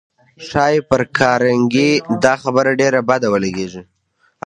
ښایي پر کارنګي دا خبره ډېره بده ولګېږي